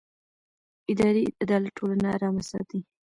اداري عدالت ټولنه ارامه ساتي